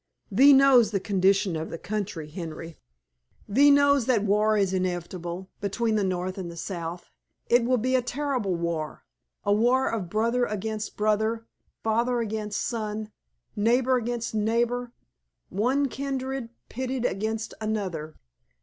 Thee knows the condition of the country, Henry. Thee knows that war is inevitable between the North and South. It will be a terrible war, a war of brother against brother, father against son, neighbor against neighbor; one kindred pitted against another.